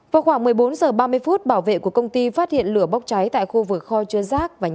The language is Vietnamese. vào khoảng một mươi bốn h ba mươi phút bảo vệ của công ty phát hiện lửa bốc cháy tại khu vực kho chưa rác